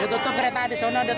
ditutup kereta di sana